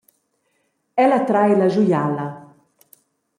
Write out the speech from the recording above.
Ella trai la schuiala.